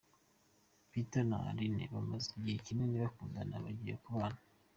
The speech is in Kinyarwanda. Peter na Aline bamaze igihe kinini bakundana, bagiye kubana.